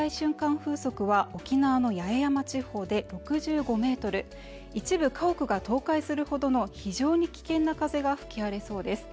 風速は沖縄の八重山地方で６５メートル、一部家屋が倒壊するほどの非常に危険な風が吹き荒れそうです。